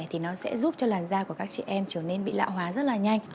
thì nó sẽ giúp cho làn da của các chị em trở nên bị lão hóa rất là nhanh